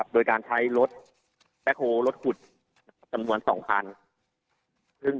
โดยการใช้แป๊คโฮลดขุดสำนวน๒๐๐๐